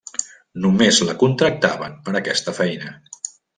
Només la contractaven per aquesta feina.